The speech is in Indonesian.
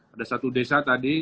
ada satu desa tadi